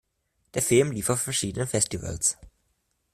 Der Film lief auf verschiedenen Festivals.